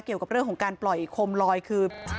เกี่ยวกับเรื่องของการปล่อยโคมลอยคือ